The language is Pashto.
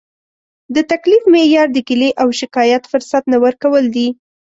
د تکلیف معیار د ګیلې او شکایت فرصت نه ورکول دي.